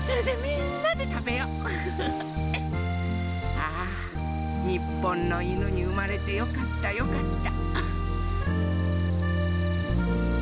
ああにっぽんのいぬにうまれてよかったよかった。